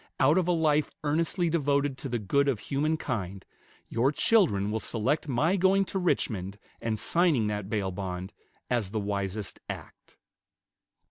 Out of a life earnestly devoted to the good of human kind, your children will select my going to Richmond and signing that bail bond as the wisest act."